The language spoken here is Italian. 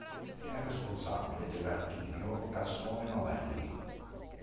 È responsabile dell'Archivio Gastone Novelli.